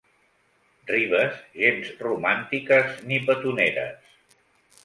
Ribes gens romàntiques ni petoneres.